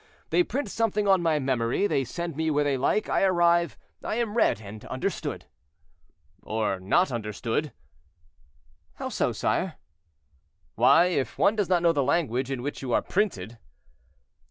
They print something on my memory, they send me where they like, I arrive, I am read and understood." "Or not understood." "How so, sire?" "Why, if one does not know the language in which you are printed."